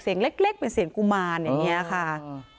เสียงเล็กเป็นเสียงกุมารอย่างนี้ค่ะ